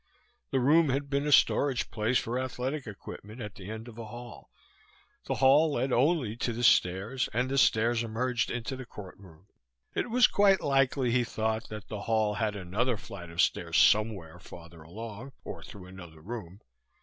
The room had been a storage place for athletic equipment at the end of a hall; the hall led only to the stairs and the stairs emerged into the courtroom. It was quite likely, he thought, that the hall had another flight of stairs somewhere farther along, or through another room.